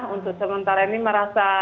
untuk sementara ini merasa